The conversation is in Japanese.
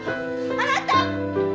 あなた！